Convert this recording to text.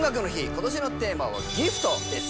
今年のテーマは「ＧＩＦＴギフト」です